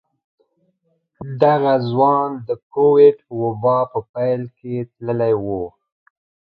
دغه ځوان د کوويډ وبا په پيل کې تللی و.